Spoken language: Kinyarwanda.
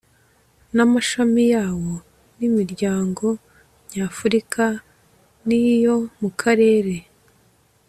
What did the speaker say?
n amashami yawo n imiryango nyafurika n iyo mu karere